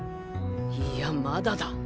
いやまだだ！